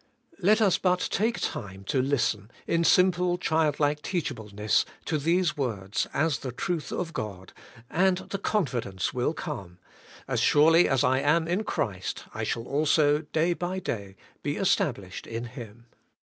Let us but take time to listen, in simple childlike teachableness, to these words as the truth of God, and GOD HIMSELF WILL STABLISH YOU IN HIM. 97 the confidence will come: As surely as I am in Christ, I shall also, day by day, be established in Him.